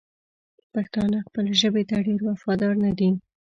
پښتانه خپلې ژبې ته ډېر وفادار ندي!